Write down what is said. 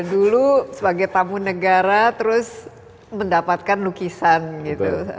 dulu sebagai tamu negara terus mendapatkan lukisan gitu